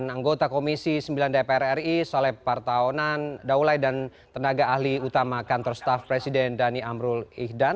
anggota komisi sembilan dpr ri saleh partawanan daulai dan tenaga ahli utama kantor staff presiden dhani amrul ihdan